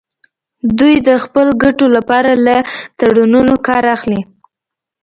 دوی د خپلو ګټو لپاره له تړونونو کار اخلي